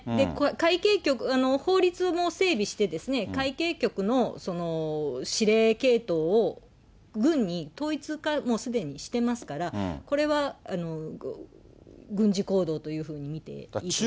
海警局、法律も整備して、海警局の指令系統を軍に統一化をもうすでにしてますから、これは軍事行動というふうに見ていいと思います。